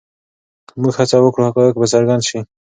که موږ هڅه وکړو حقایق به څرګند شي.